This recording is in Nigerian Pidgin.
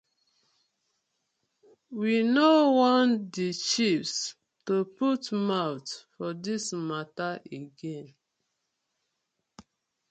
We no want the chiefs to put mouth for dis matta again.